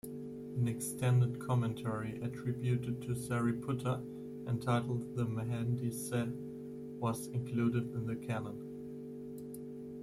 An extended commentary attributed to Sariputta, entitled the Mahaniddesa, was included in the Canon.